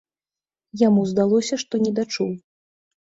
Яму здалося, што недачуў.